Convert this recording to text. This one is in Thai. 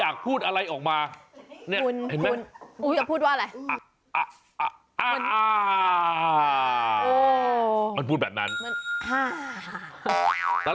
อ่าอ่าอ่าอ่าแบบนี้เลย